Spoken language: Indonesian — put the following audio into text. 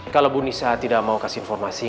kalau bu nisa tidak mau kasih informasi